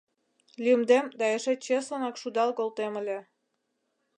Лӱмдем да эше чеслынак шудал колтем ыле.